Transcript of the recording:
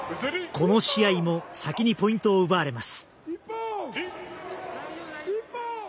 この試合も先にポイントを奪われます。